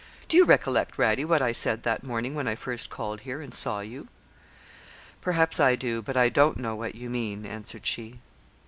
'Do you recollect, Radie, what I said that morning when I first called here, and saw you?' 'Perhaps I do, but I don't know what you mean,' answered she.